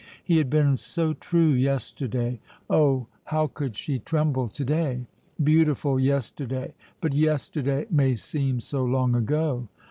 He had been so true yesterday; oh, how could she tremble to day? Beautiful yesterday! but yesterday may seem so long ago.